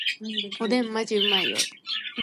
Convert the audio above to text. おでんマジでうまいよ